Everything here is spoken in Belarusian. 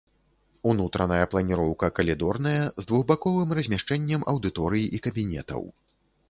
Унутраная планіроўка калідорная, з двухбаковым размяшчэннем аўдыторый і кабінетаў.